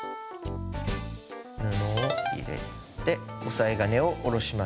布を入れて押さえ金を下ろします。